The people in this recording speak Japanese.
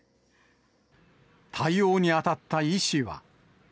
対応に当たった医師は。